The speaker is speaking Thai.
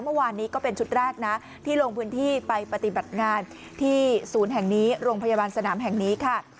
เมื่อวานนี้ก็เป็นชุดแรกนะที่ลงพื้นที่ไปปฏิบัติงานที่ศูนย์แห่งนี้โรงพยาบาลสนามแห่งนี้ค่ะ